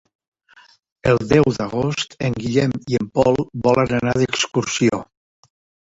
El deu d'agost en Guillem i en Pol volen anar d'excursió.